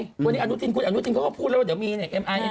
วันนี้อนุทินคุณอนุทินเขาก็พูดแล้วว่าเดี๋ยวมีเนี่ยเอ็มไอ